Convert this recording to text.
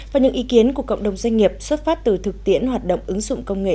và những ý kiến của cộng đồng doanh nghiệp xuất phát từ thực tiễn hoạt động ứng dụng công nghệ